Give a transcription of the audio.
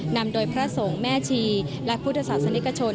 นำโดยพระสงฆ์แม่ชีและพุทธศาสนิกชน